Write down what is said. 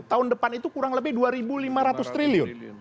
tahun depan itu kurang lebih dua lima ratus triliun